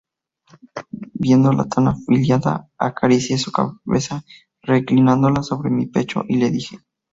viéndola tan afligida, acaricié su cabeza reclinándola sobre mi pecho, y le dije: